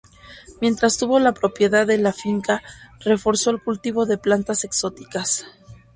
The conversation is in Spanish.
Mientras tuvo la propiedad de la finca reforzó el cultivo de plantas exóticas.